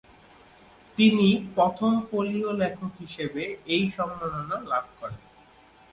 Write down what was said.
তিনি প্রথম পোলীয় লেখক হিসেবে এই সম্মাননা লাভ করেন।